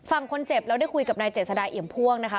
ฝั่งคนเจ็บแล้วได้คุยกับนายเจ็ดสดายเหยียมพ่วงนะคะ